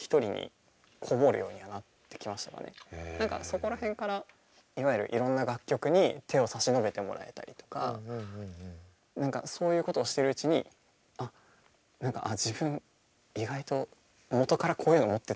何かそこら辺からいわゆるいろんな楽曲に手を差し伸べてもらえたりとか何かそういうことをしてるうちにあっ自分意外と元からこういうの持ってたんだなみたいな。